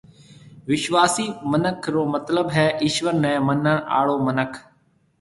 وِشواسي مِنک رو مطلب ھيََََ ايشوَر نَي منڻ آݪو مِنک۔